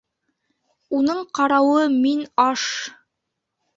—Уның ҡарауы, мин аш...